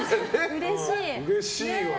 うれしい！